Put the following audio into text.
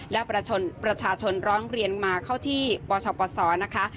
และประชาชนร้องเรียนมาเข้าที่ปชปศนะคะ